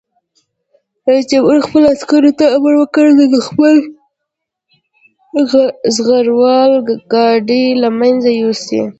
رئیس جمهور خپلو عسکرو ته امر وکړ؛ د دښمن زغروال ګاډي له منځه یوسئ!